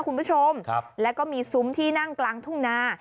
คุณผู้ชมครับแล้วก็มีซุ้มที่นั่งกลางทุ่งนา